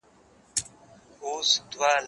زه به اوږده موده سپينکۍ مينځلي وم؟!